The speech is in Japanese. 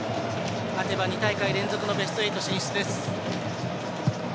勝てば２大会連続のベスト８進出です。